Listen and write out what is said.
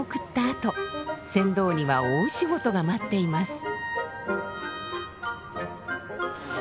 あと船頭には大仕事が待っています。